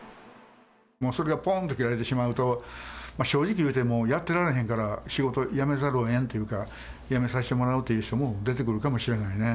もうそれがぽんと切られてしまうと、やっぱり正直言ってもやってられへんから、仕事辞めざるをえんというか、辞めさせてもらう言う人も出てくるかもしれないね。